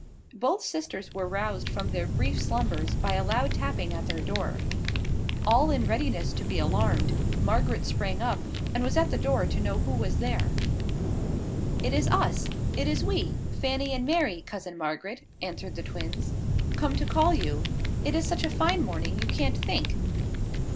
Both sisters were roused from their brief slumbers by a loud tapping at their door. All in readiness to be alarmed, Margaret sprang up, and was at the door to know who was there. "It is us it is we, Fanny and Mary, cousin Margaret," answered the twins, "come to call you. It is such a fine morning, you can't think.